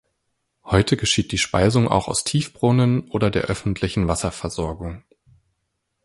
Heute geschieht die Speisung auch aus Tiefbrunnen oder der öffentlichen Wasserversorgung.